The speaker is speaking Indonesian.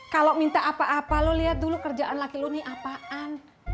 kalo minta apa apa lo liat dulu kerjaan laki lo nih apaan